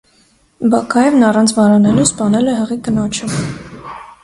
Բակաևն առանց վարանելու սպանել է հղի կնոջը։